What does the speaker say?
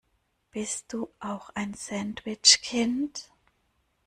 Bist du auch ein Sandwich-Kind?